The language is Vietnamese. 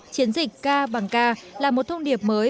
chiến dịch k bằng k là một thông điệp mới